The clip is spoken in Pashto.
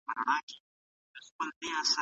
زه د ذمې د وفادارۍ حقدار یم.